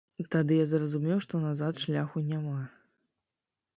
Тады я зразумеў, што назад шляху няма.